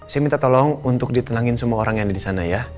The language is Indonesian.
saya minta tolong untuk ditenangin semua orang yang ada di sana ya